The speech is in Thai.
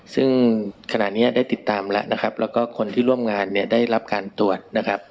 ซึ่งขณะนี้ได้ติดตามแล้วก็คนที่ร่วมงานได้รับการตรวจ